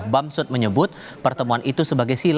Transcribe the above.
bamsud menyebut pertemuan itu sebagai sila